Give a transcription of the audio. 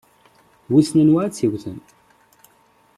Wissen anwa i t-yewwten?